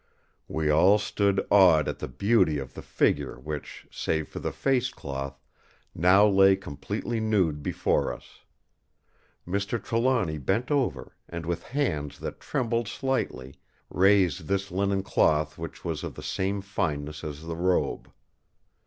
We all stood awed at the beauty of the figure which, save for the face cloth, now lay completely nude before us. Mr. Trelawny bent over, and with hands that trembled slightly, raised this linen cloth which was of the same fineness as the robe.